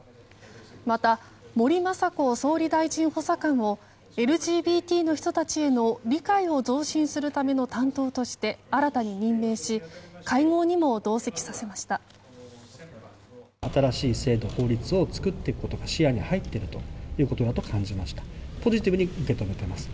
また、森まさこ総理大臣補佐官をＬＧＢＴの人たちへの理解を増進するための担当として新たに任命し会合にも同席させました。